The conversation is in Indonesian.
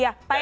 iya pak edi